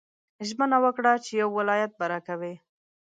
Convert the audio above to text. ژمنه وکړه چې یو ولایت به راکوې.